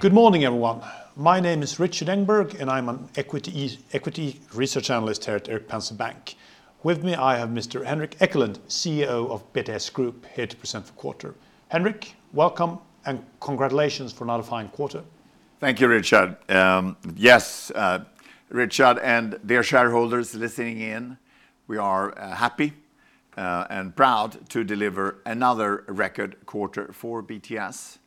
Good morning, everyone. My name is Rikard Engberg, and I'm an Equity Research Analyst here at Erik Penser Bank. With me, I have Mr. Henrik Ekelund, CEO of BTS Group, here to present the quarter. Henrik, welcome, and congratulations for another fine quarter. Thank you, Rikard. Yes, Rikard and dear shareholders listening in, we are happy and proud to deliver another record quarter for BTS.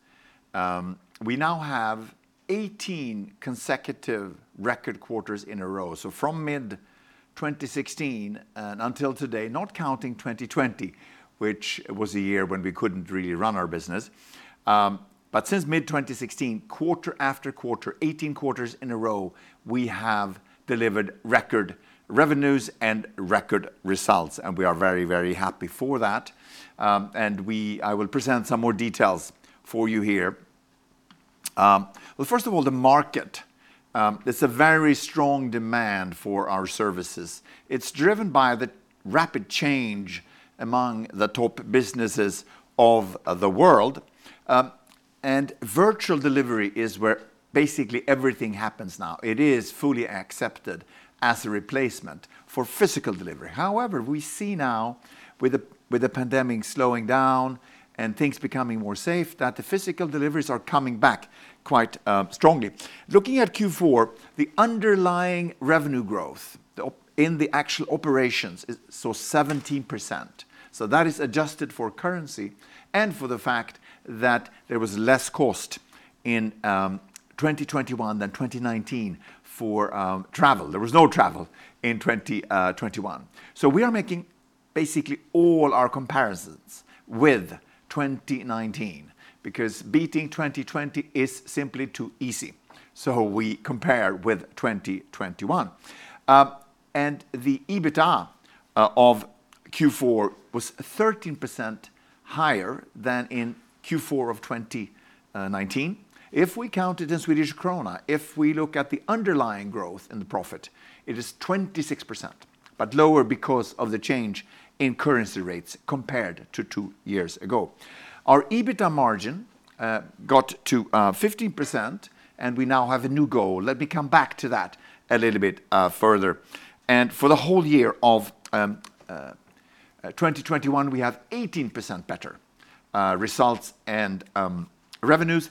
We now have 18 consecutive record quarters in a row. From mid-2016 until today, not counting 2020, which was a year when we couldn't really run our business. Since mid-2016, quarter after quarter, 18 quarters in a row, we have delivered record revenues and record results, and we are very, very happy for that. I will present some more details for you here. Well, first of all, the market. It's a very strong demand for our services. It's driven by the rapid change among the top businesses of the world. Virtual delivery is where basically everything happens now. It is fully accepted as a replacement for physical delivery. However, we see now with the pandemic slowing down and things becoming more safe, that the physical deliveries are coming back quite strongly. Looking at Q4, the underlying revenue growth in the actual operations is 17%. That is adjusted for currency and for the fact that there was less cost in 2021 than 2019 for travel. There was no travel in 2021. We are making basically all our comparisons with 2019 because beating 2020 is simply too easy, so we compare with 2021. The EBITDA of Q4 was 13% higher than in Q4 of 2019. If we count it in Swedish krona, if we look at the underlying growth in the profit, it is 26%, but lower because of the change in currency rates compared to two years ago. Our EBITDA margin got to 15%, and we now have a new goal. Let me come back to that a little bit further. For the whole year of 2021, we have 18% better results and revenues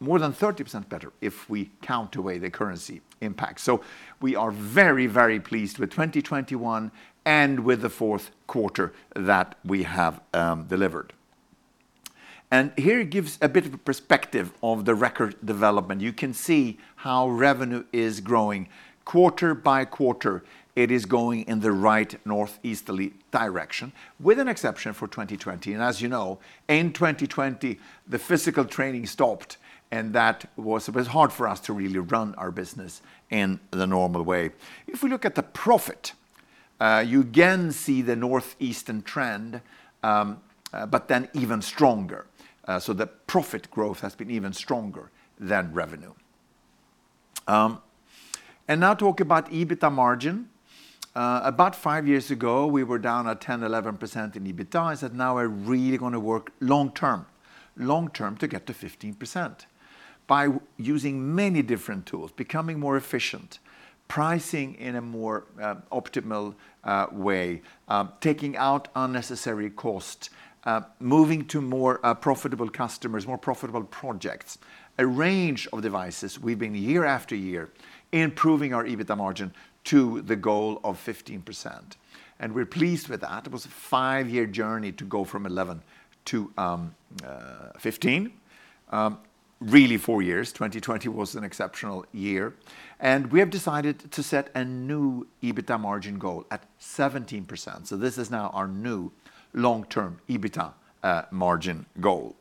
more than 30% better if we count away the currency impact. We are very, very pleased with 2021 and with the fourth quarter that we have delivered. Here it gives a bit of a perspective of the record development. You can see how revenue is growing quarter by quarter. It is going in the right northeasterly direction, with an exception for 2020. As you know, in 2020, the physical training stopped, and it was hard for us to really run our business in the normal way. If we look at the profit, you again see the upward trend, but then even stronger. The profit growth has been even stronger than revenue. Now talk about EBITDA margin. About five years ago, we were down at 10-11% in EBITDA and said, "Now we're really gonna work long term to get to 15% by using many different tools, becoming more efficient, pricing in a more optimal way, taking out unnecessary cost, moving to more profitable customers, more profitable projects." A range of devices, we've been year after year improving our EBITDA margin to the goal of 15%. We're pleased with that. It was a five-year journey to go from 11% to 15%. Really four years. 2020 was an exceptional year. We have decided to set a new EBITDA margin goal at 17%. This is now our new long-term EBITDA margin goal.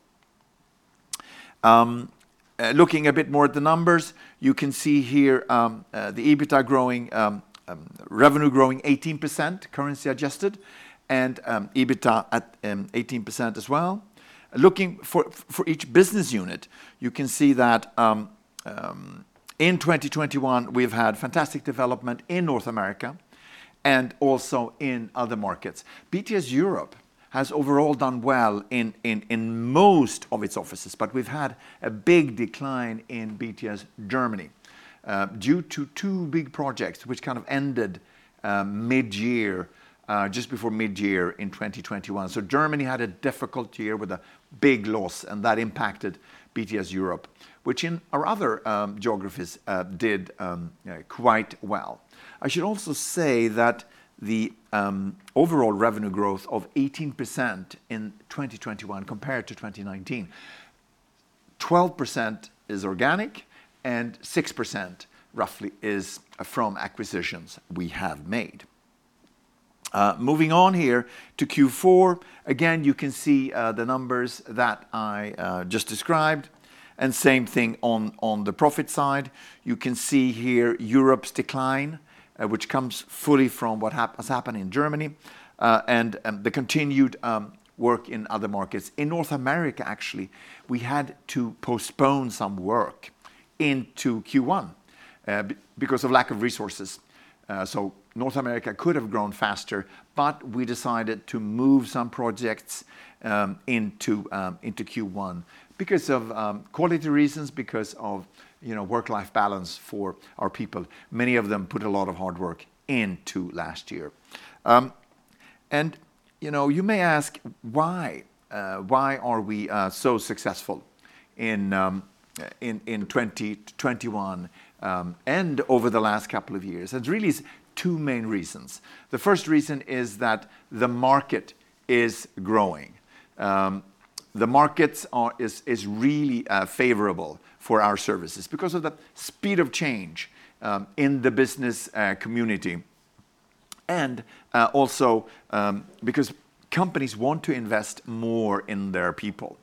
Looking a bit more at the numbers, you can see here the EBITDA growing, revenue growing 18% currency adjusted and EBITDA at 18% as well. Looking for each business unit, you can see that in 2021, we've had fantastic development in North America and also in other markets. BTS Europe has overall done well in most of its offices, but we've had a big decline in BTS Germany due to two big projects which kind of ended mid-year, just before mid-year in 2021. Germany had a difficult year with a big loss, and that impacted BTS Europe, which in our other geographies did quite well. I should also say that overall revenue growth of 18% in 2021 compared to 2019, 12% is organic, and 6% roughly is from acquisitions we have made. Moving on here to Q4, again, you can see the numbers that I just described, and same thing on the profit side. You can see here Europe's decline, which comes fully from what has happened in Germany, and the continued work in other markets. In North America, actually, we had to postpone some work into Q1 because of lack of resources. So North America could have grown faster, but we decided to move some projects into Q1 because of quality reasons, because of, you know, work/life balance for our people. Many of them put a lot of hard work into last year. You know, you may ask why? Why are we so successful in 2021 and over the last couple of years? It's really is two main reasons. The first reason is that the market is growing. The markets are It is really favorable for our services because of the speed of change in the business community and also because companies want to invest more in their people.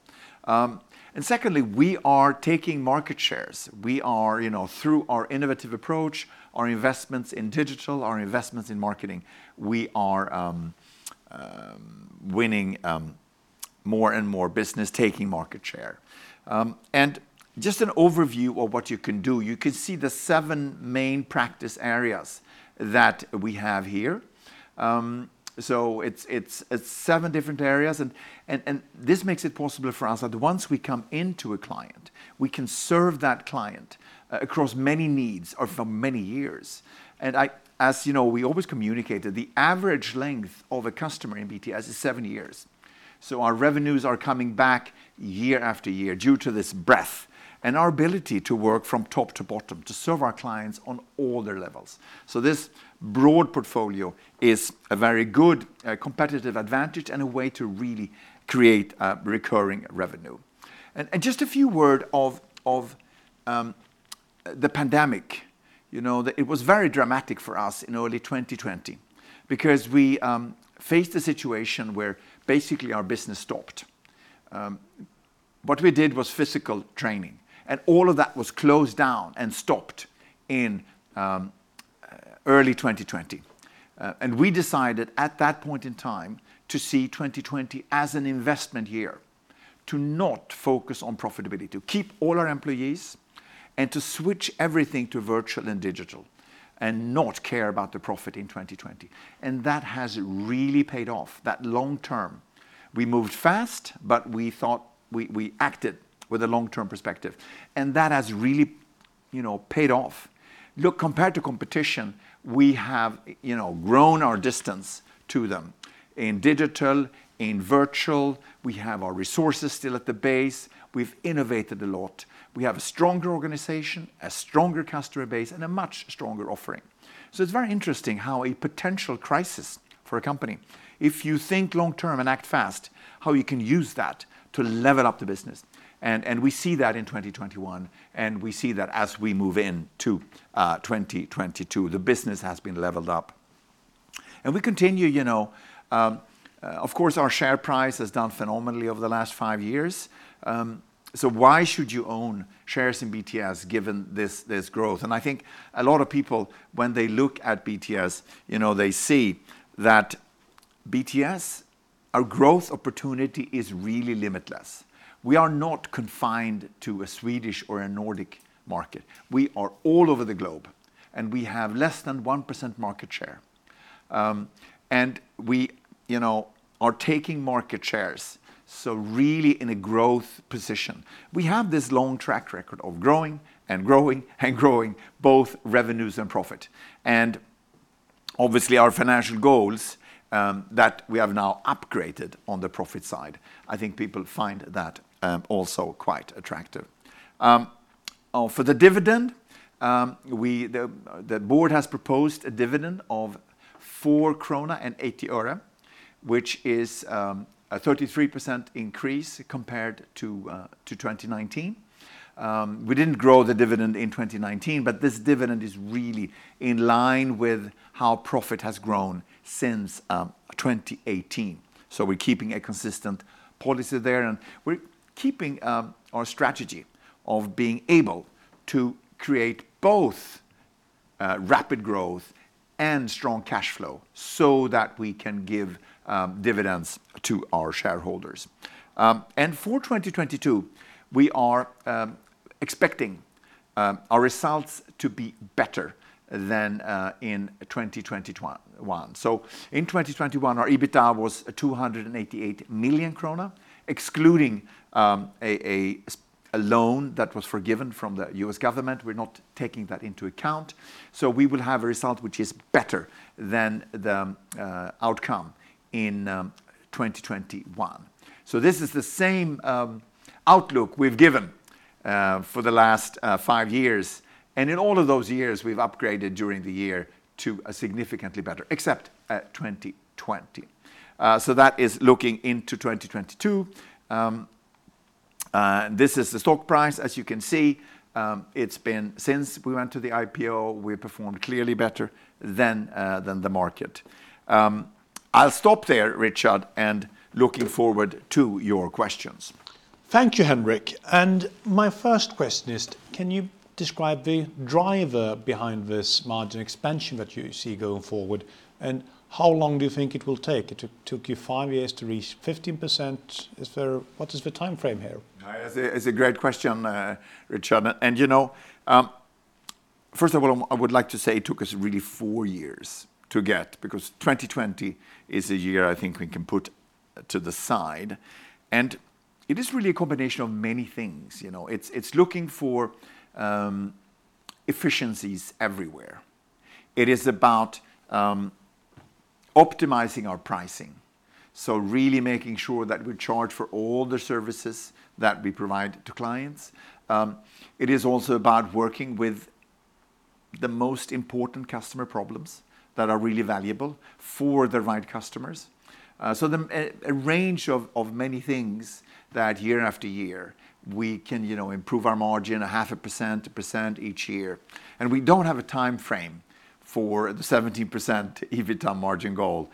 Secondly, we are taking market shares. We are, you know, through our innovative approach, our investments in digital, our investments in marketing, we are winning more and more business, taking market share. Just an overview of what you can do, you can see the seven main practice areas that we have here. So it's seven different areas and this makes it possible for us that once we come into a client, we can serve that client across many needs or for many years. As you know, we always communicated the average length of a customer in BTS is seven years. Our revenues are coming back year after year due to this breadth and our ability to work from top to bottom to serve our clients on all their levels. This broad portfolio is a very good competitive advantage and a way to really create recurring revenue. Just a few words on the pandemic. You know, it was very dramatic for us in early 2020 because we faced a situation where basically our business stopped. What we did was physical training, and all of that was closed down and stopped in early 2020. We decided at that point in time to see 2020 as an investment year, to not focus on profitability, to keep all our employees, and to switch everything to virtual and digital and not care about the profit in 2020, and that has really paid off that long term. We moved fast, but we thought. We acted with a long-term perspective, and that has really, you know, paid off. Look, compared to competition, we have, you know, grown our distance to them in digital, in virtual. We have our resources still at the base. We've innovated a lot. We have a stronger organization, a stronger customer base, and a much stronger offering. It's very interesting how a potential crisis for a company, if you think long term and act fast, how you can use that to level up the business and we see that in 2021, and we see that as we move into 2022. The business has been leveled up. We continue, you know, of course our share price has done phenomenally over the last five years. Why should you own shares in BTS given this growth? I think a lot of people when they look at BTS, you know, they see that BTS, our growth opportunity is really limitless. We are not confined to a Swedish or a Nordic market. We are all over the globe, and we have less than 1% market share. And we, you know, are taking market shares, so really in a growth position. We have this long track record of growing and growing and growing both revenues and profit. Obviously, our financial goals that we have now upgraded on the profit side, I think people find that also quite attractive. For the dividend, the board has proposed a dividend of 4.80 krona, which is a 33% increase compared to 2019. We didn't grow the dividend in 2019, but this dividend is really in line with how profit has grown since 2018. We're keeping a consistent policy there, and we're keeping our strategy of being able to create both rapid growth and strong cash flow so that we can give dividends to our shareholders. For 2022, we are expecting our results to be better than in 2021. In 2021, our EBITDA was 288 million krona, excluding a loan that was forgiven from the U.S. government. We're not taking that into account. We will have a result which is better than the outcome in 2021. This is the same outlook we've given for the last five years, and in all of those years, we've upgraded during the year to a significantly better except 2020. That is looking into 2022. This is the stock price. As you can see, it's been since we went to the IPO, we performed clearly better than the market. I'll stop there, Rikard, looking forward to your questions. Thank you, Henrik. My first question is, can you describe the driver behind this margin expansion that you see going forward, and how long do you think it will take? It took you five years to reach 15%. What is the timeframe here? It's a great question, Rikard. You know, First of all, I would like to say it took us really four years to get, because 2020 is a year I think we can put to the side, and it is really a combination of many things. You know, it's looking for efficiencies everywhere. It is about optimizing our pricing, so really making sure that we charge for all the services that we provide to clients. It is also about working with the most important customer problems that are really valuable for the right customers. So a range of many things that year after year we can, you know, improve our margin 0.5%, 1% each year. We don't have a timeframe for the 17% EBITDA margin goal.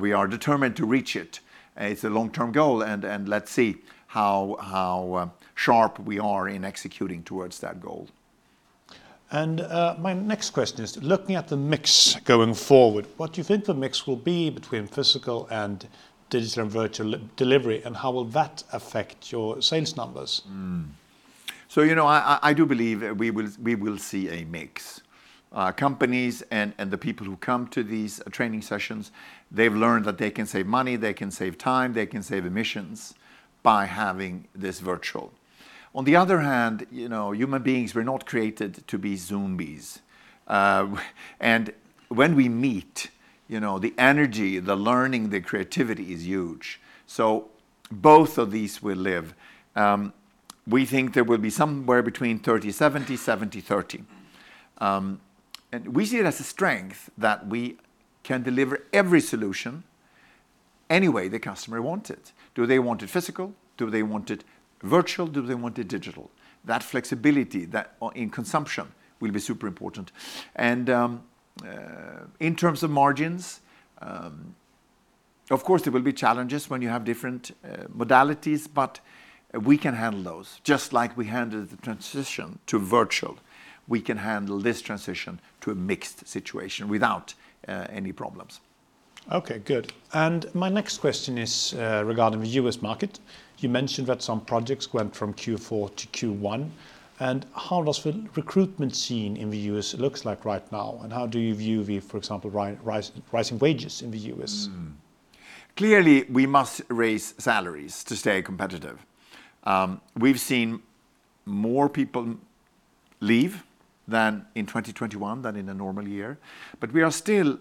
We are determined to reach it, and it's a long-term goal, and let's see how sharp we are in executing towards that goal. My next question is looking at the mix going forward, what do you think the mix will be between physical and digital and virtual delivery, and how will that affect your sales numbers? You know, I do believe we will see a mix. Companies and the people who come to these training sessions, they've learned that they can save money, they can save time, they can save emissions by having this virtual. On the other hand, you know, human beings were not created to be zombies. When we meet, you know, the energy, the learning, the creativity is huge. Both of these will live. We think there will be somewhere between 30/70, 70/30. We see it as a strength that we can deliver every solution any way the customer want it. Do they want it physical? Do they want it virtual? Do they want it digital? That flexibility in consumption will be super important. In terms of margins, of course there will be challenges when you have different modalities, but we can handle those. Just like we handled the transition to virtual, we can handle this transition to a mixed situation without any problems. Okay, good. My next question is, regarding the U.S. market. You mentioned that some projects went from Q4 to Q1, and how does the recruitment scene in the U.S. looks like right now, and how do you view the, for example, rising wages in the U.S.? Clearly we must raise salaries to stay competitive. We've seen more people leave than in 2021 than in a normal year. We are still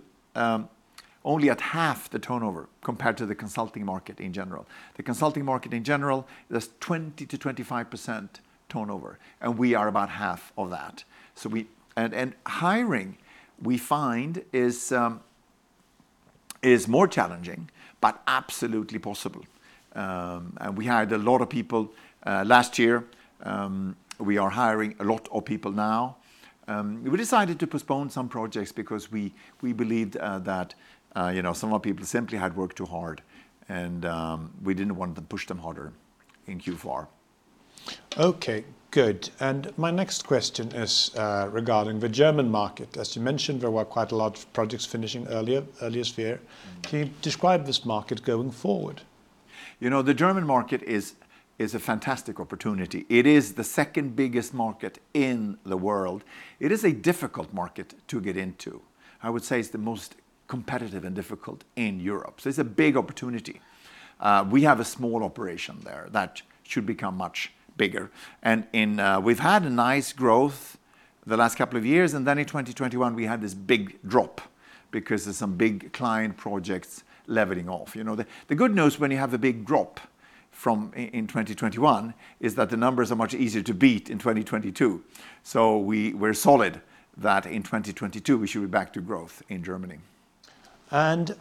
only at half the turnover compared to the consulting market in general. The consulting market in general, there's 20%-25% turnover, and we are about half of that. Hiring, we find, is more challenging but absolutely possible. We hired a lot of people last year. We are hiring a lot of people now. We decided to postpone some projects because we believed that you know, some of our people simply had worked too hard and we didn't want to push them harder in Q4. Okay, good. My next question is regarding the German market. As you mentioned, there were quite a lot of projects finishing earlier this year. Can you describe this market going forward? You know, the German market is a fantastic opportunity. It is the second-biggest market in the world. It is a difficult market to get into. I would say it's the most competitive and difficult in Europe, so it's a big opportunity. We have a small operation there that should become much bigger. We've had a nice growth the last couple of years, and then in 2021 we had this big drop because of some big client projects leveling off. You know, the good news when you have a big drop in 2021 is that the numbers are much easier to beat in 2022, so we're solid that in 2022 we should be back to growth in Germany.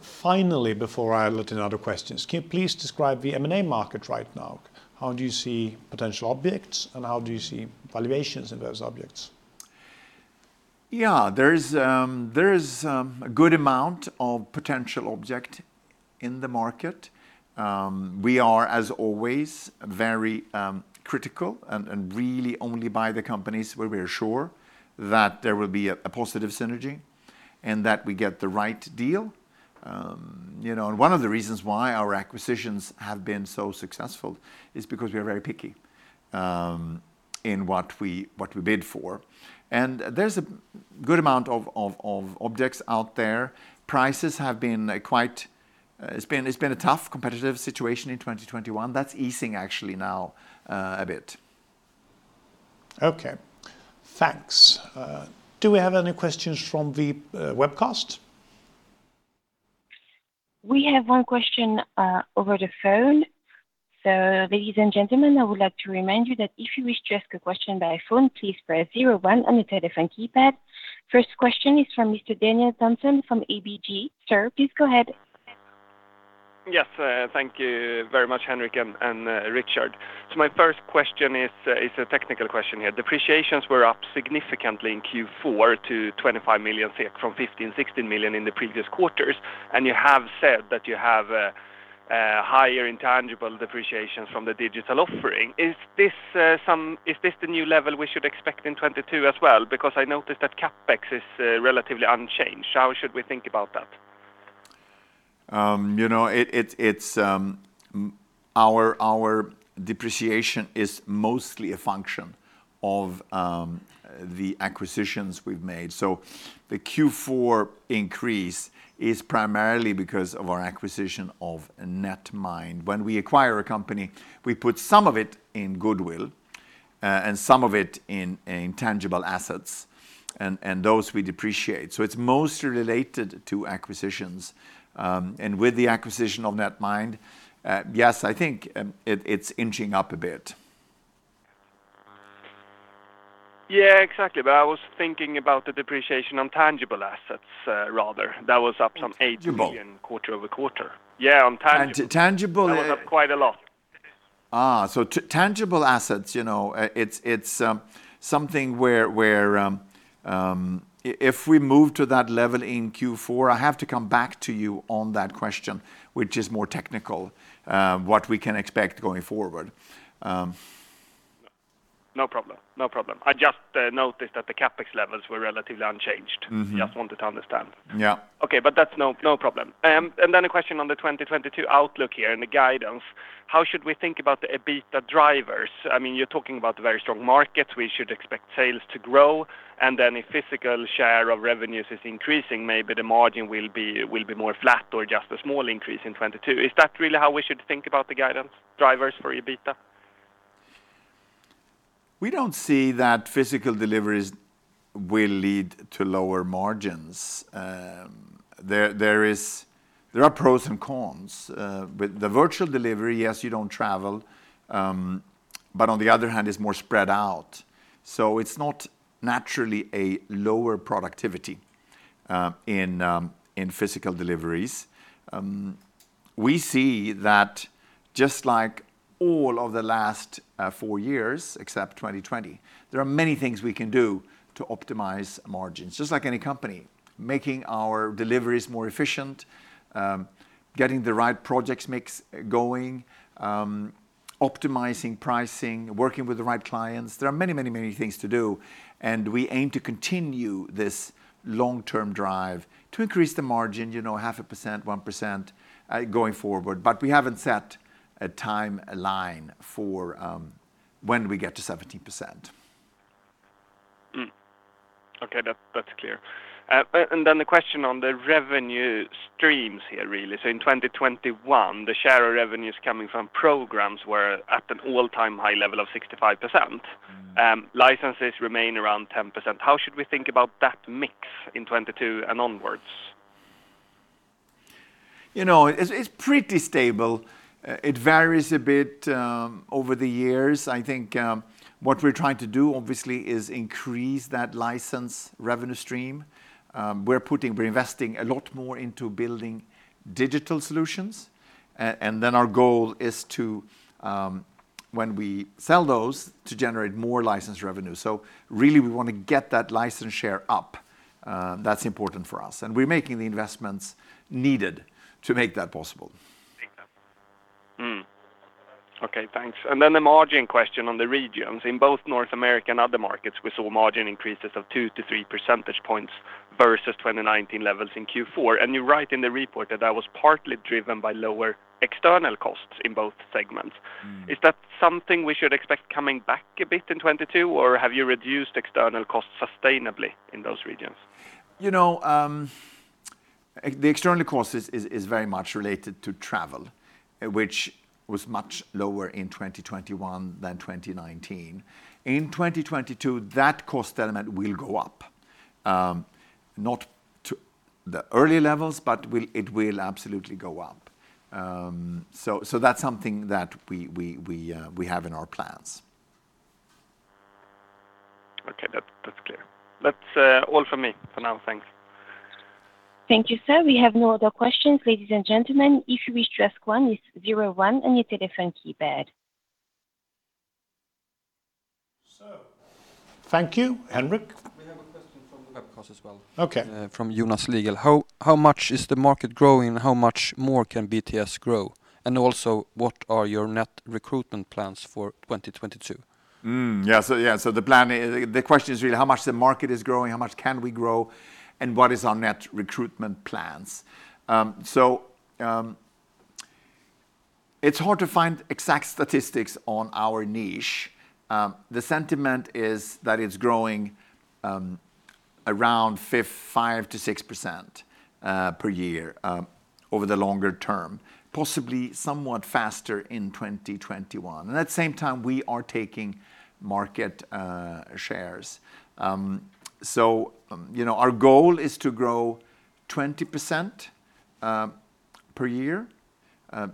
Finally, before I look at other questions, can you please describe the M&A market right now? How do you see potential targets, and how do you see valuations in those targets? Yeah. There's a good amount of potential targets in the market. We are, as always, very critical and really only buy the companies where we are sure that there will be a positive synergy and that we get the right deal. You know, one of the reasons why our acquisitions have been so successful is because we are very picky in what we bid for. There's a good amount of targets out there. Prices have been quite. It's been a tough competitive situation in 2021. That's easing actually now a bit. Okay, thanks. Do we have any questions from the webcast? We have one question over the phone. Ladies and gentlemen, I would like to remind you that if you wish to ask a question by phone, please press zero one on the telephone keypad. First question is from Mr. Daniel Thorsson from ABG. Sir, please go ahead. Yes. Thank you very much, Henrik and Rikard. My first question is a technical question here. Depreciations were up significantly in Q4 to 25 million SEK from 15 million, 16 million in the previous quarters, and you have said that you have higher intangible depreciations from the digital offering. Is this the new level we should expect in 2022 as well? Because I noticed that CapEx is relatively unchanged. How should we think about that? You know, it's our depreciation is mostly a function of the acquisitions we've made. The Q4 increase is primarily because of our acquisition of Netmind. When we acquire a company, we put some of it in goodwill, and some of it in intangible assets and those we depreciate. It's mostly related to acquisitions, and with the acquisition of Netmind, yes, I think, it's inching up a bit. Yeah, exactly. I was thinking about the depreciation on tangible assets, rather, that was up some 8 million quarter-over-quarter. You mean. Yeah, on tangible. Tan- tangible- That was up quite a lot. Tangible assets, you know, it's something where if we move to that level in Q4, I have to come back to you on that question, which is more technical, what we can expect going forward. No problem. I just noticed that the CapEx levels were relatively unchanged. Mm-hmm. Just wanted to understand. Yeah. Okay, that's no problem. Then a question on the 2022 outlook here and the guidance, how should we think about the EBITDA drivers? I mean, you're talking about the very strong markets. We should expect sales to grow, and then if physical share of revenues is increasing, maybe the margin will be more flat or just a small increase in 2022. Is that really how we should think about the guidance drivers for EBITDA? We don't see that physical deliveries will lead to lower margins. There are pros and cons. With the virtual delivery, yes, you don't travel, but on the other hand, it's more spread out. It's not naturally a lower productivity in physical deliveries. We see that just like all of the last four years except 2020, there are many things we can do to optimize margins, just like any company, making our deliveries more efficient, getting the right projects mix going, optimizing pricing, working with the right clients. There are many things to do, and we aim to continue this long-term drive to increase the margin, you know, 0.5%, 1% going forward. We haven't set a timeline for when we get to 17%. Okay, that's clear. Then the question on the revenue streams here, really. In 2021, the share of revenues coming from programs were at an all-time high level of 65%. Mm. Licenses remain around 10%. How should we think about that mix in 2022 and onwards? You know, it's pretty stable. It varies a bit over the years. I think what we're trying to do obviously is increase that license revenue stream. We're investing a lot more into building digital solutions. And then our goal is to when we sell those, to generate more license revenue. Really we wanna get that license share up. That's important for us, and we're making the investments needed to make that possible. Exactly. Okay, thanks. A margin question on the regions. In both North America and other markets, we saw margin increases of 2-3 percentage points versus 2019 levels in Q4. You write in the report that that was partly driven by lower external costs in both segments. Mm. Is that something we should expect coming back a bit in 2022, or have you reduced external costs sustainably in those regions? You know, the external cost is very much related to travel, which was much lower in 2021 than 2019. In 2022, that cost element will go up, not to the early levels, but it will absolutely go up. That's something that we have in our plans. Okay, that's clear. That's all for me for now. Thanks. Thank you, sir. We have no other questions, ladies and gentlemen. If you wish to ask one, it's zero one on your telephone keypad. Thank you, Henrik. We have a question from the webcast as well. Okay. From Jonas [Lignell]. How much is the market growing? How much more can BTS grow? What are your net recruitment plans for 2022? The question is really how much the market is growing, how much can we grow, and what is our net recruitment plans. It's hard to find exact statistics on our niche. The sentiment is that it's growing around 5%-6% per year over the longer term, possibly somewhat faster in 2021. At the same time, we are taking market shares. You know, our goal is to grow 20% per year.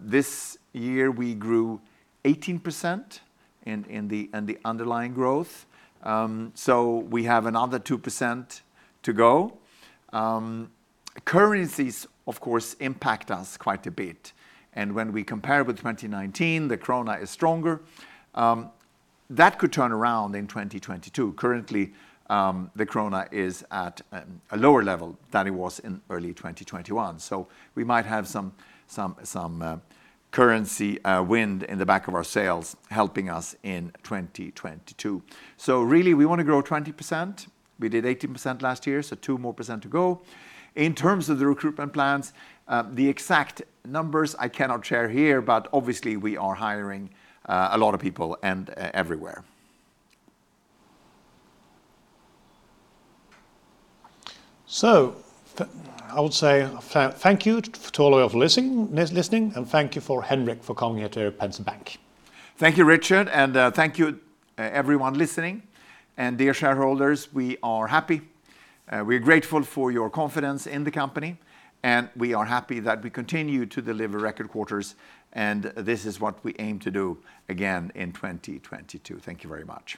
This year we grew 18% in the underlying growth. We have another 2% to go. Currencies of course impact us quite a bit, and when we compare with 2019, the krona is stronger. That could turn around in 2022. Currently, the krona is at a lower level than it was in early 2021. We might have some currency wind in the back of our sails helping us in 2022. Really we wanna grow 20%. We did 18% last year, so 2% more to go. In terms of the recruitment plans, the exact numbers I cannot share here, but obviously we are hiring a lot of people and everywhere. I would say thank you to all for listening, and thank you to Henrik for coming here to Erik Penser Bank. Thank you, Rikard, and thank you everyone listening. Dear shareholders, we are happy. We're grateful for your confidence in the company, and we are happy that we continue to deliver record quarters, and this is what we aim to do again in 2022. Thank you very much.